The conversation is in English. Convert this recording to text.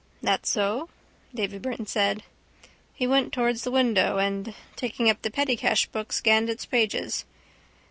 —That so? Davy Byrne said... He went towards the window and, taking up the pettycash book, scanned its pages.